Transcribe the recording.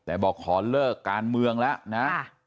แต่บอกขอเลิกการเมืองแล้วนะ